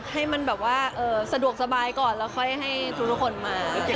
ให้มันแบบว่าสะดวกสบายก่อนแล้วค่อยให้ทุกคนมา